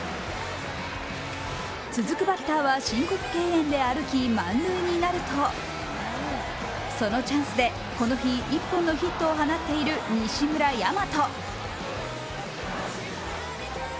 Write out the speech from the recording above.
続くバッターは申告敬遠で歩き満塁になるとそのチャンスでこの日、１本のヒットを放っている西村大和。